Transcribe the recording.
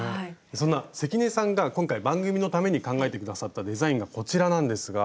そんな関根さんが今回番組のために考えて下さったデザインがこちらなんですが。